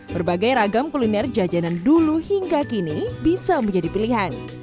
berbagai ragam kuliner jajanan dulu hingga kini bisa menjadi pilihan